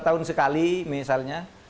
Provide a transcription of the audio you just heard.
setahun sekali misalnya